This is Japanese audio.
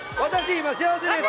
今幸せです